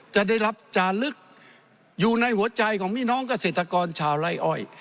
จะได้รับจาลึกอยู่ในหัวใจของพี่น้องเกษตรกรชาวไล่อ้อย